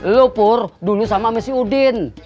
lu pur dulu sama mesyu din